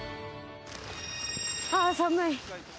ああ寒い。